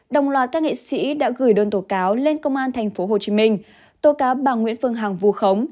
đồng loạt các nghệ sĩ đã gửi đơn tổ cáo lên công an tp hcm tổ cáo bà nguyễn phương hằng vù khống